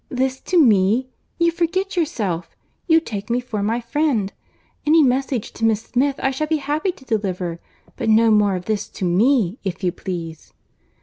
This to me! you forget yourself—you take me for my friend—any message to Miss Smith I shall be happy to deliver; but no more of this to me, if you please."